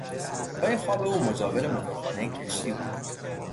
جای خواب او مجاور موتورخانهی کشتی بود.